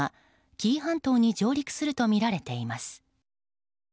紀伊半島に上陸するとみられています。